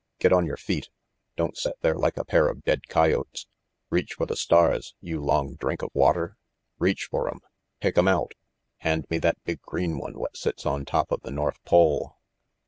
Get on your feet. Don't set there like a pair of dead coyotes. Reach for the stars, you long drink of water. Reach for 'em. Pick 'em out. Hand me that big green one what sits on top of the North Pole."